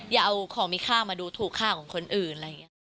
อย่าเอาของมีค่ามาดูถูกค่าของคนอื่น